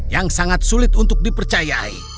yang sangat sulit untuk dipercayai